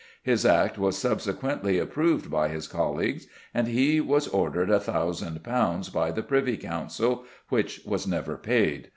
His act was subsequently approved by his colleagues, and he was ordered £1,000 by the Privy Council, which was never paid.